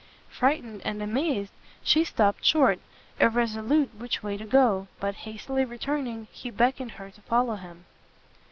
Frightened and amazed, she stopt short, irresolute which way to go; but, hastily returning, he beckoned her to follow him.